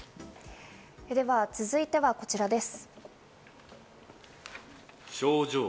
では続いてはこちらです。